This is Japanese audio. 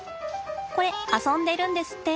これ遊んでるんですって。